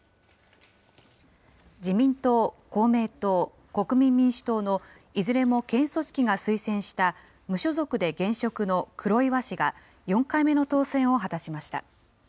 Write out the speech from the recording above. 自民党、公明党、国民民主党のいずれも県組織が推薦した無所属で現職の黒岩氏が、４回目の当選を果たしました。